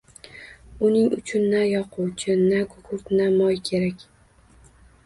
Uning uchun na yoquvchi, na gugurt, na moy kerak